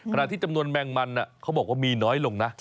ที่จำนวนแมงมันเขาบอกว่ามีน้อยลงนะ